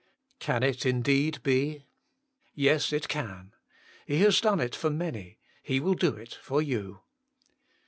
Can it indeed be ? Yes, it can. He has done it for many : He will do it for you.